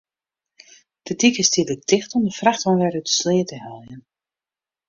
De dyk is tydlik ticht om de frachtwein wer út de sleat te heljen.